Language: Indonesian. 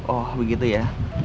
oh begitu ya